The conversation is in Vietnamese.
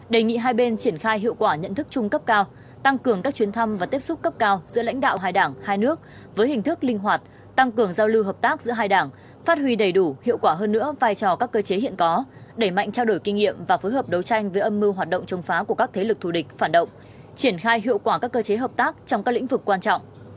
đề nghị hai bên triển khai hiệu quả nhận thức chung cấp cao tăng cường các chuyến thăm và tiếp xúc cấp cao giữa lãnh đạo hai đảng hai nước với hình thức linh hoạt tăng cường giao lưu hợp tác giữa hai đảng phát huy đầy đủ hiệu quả hơn nữa vai trò các cơ chế hiện có đẩy mạnh trao đổi kinh nghiệm và phối hợp đấu tranh với âm mưu hoạt động chống phá của các thế lực thù địch phản động triển khai hiệu quả các cơ chế hợp tác trong các lĩnh vực quan trọng